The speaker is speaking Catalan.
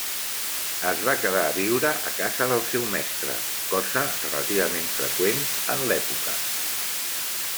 Es va quedar a viure a casa del seu mestre, cosa relativament freqüent en l'època.